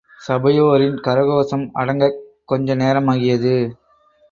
சபையோரின் கரகோஷம் அடங்கக் கொஞ்சநேரமாகியது.